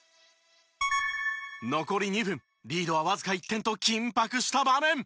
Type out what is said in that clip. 残り２分リードはわずか１点と緊迫した場面。